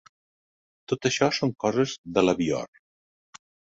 Tot això són coses de l'avior!